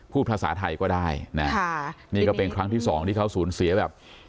ภาษาไทยก็ได้นะนี่ก็เป็นครั้งที่สองที่เขาสูญเสียแบบ